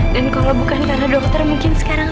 dan kalau bukan karena dokter mungkin sekarang